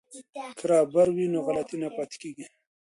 که رابر وي نو غلطي نه پاتې کیږي.